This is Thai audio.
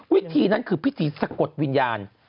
วิธีนั้นคือพิธีสะกดวิญญาณ